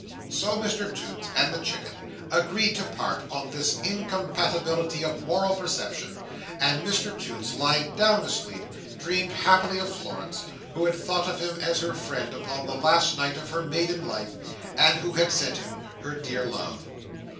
So Mr Toots and the Chicken agreed to part on this incompatibility of moral perception; and Mr Toots lying down to sleep, dreamed happily of Florence, who had thought of him as her friend upon the last night of her maiden life, and who had sent him her dear love.